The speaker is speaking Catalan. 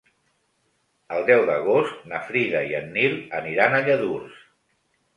El deu d'agost na Frida i en Nil aniran a Lladurs.